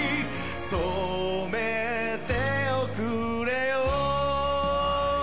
染めておくれよ